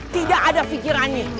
tidak ada fikirannya